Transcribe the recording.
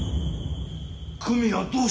久美はどうした！？